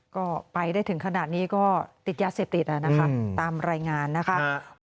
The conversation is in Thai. ก็ไปได้ถึงขนาดนี้ก็ติดยาเสพติดนะคะตามรายงานนะคะ